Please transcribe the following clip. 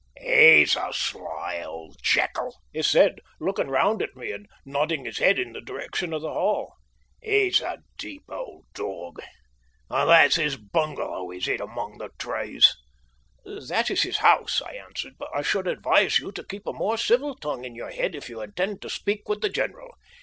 "He's a sly old jackal," he said, looking round at me and nodding his head in the direction of the Hall. "He's a deep old dog. And that's his bungalow, is it, among the trees?" "That is his house," I answered; "but I should advise you to keep a more civil tongue in your head if you intend to speak with the general.